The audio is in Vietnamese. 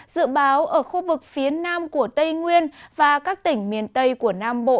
dự báo ở khu vực phía nam của tây nguyên và các tỉnh miền tây của nam bộ